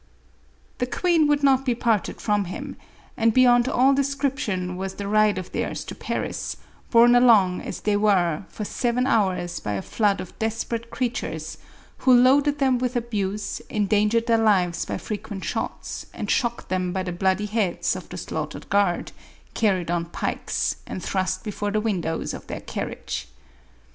The queen would not be parted from him, and beyond all description was that ride of theirs to Paris, borne along as they were for seven hours by a flood of desperate creatures, who loaded them with abuse, endangered their lives by fre quent shots, and shocked them by the bloody heads of the slaughtered guard, carried on pikes, and thrust be fore the windows of tlieir carriage.